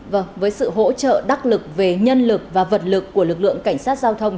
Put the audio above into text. vâng với sự hỗ trợ đắc lực về nhân lực và vật lực của lực lượng cảnh sát giao thông